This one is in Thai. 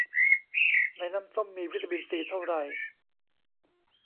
ในน้ำส้มมีวิตามินซีเท่าไร